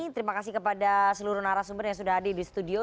terima kasih kepada seluruh narasumber yang sudah hadir di studio